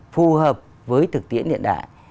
phù hợp với thực tiễn hiện đại